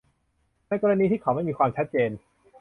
ในกรณีที่เขาไม่มีความชัดเจน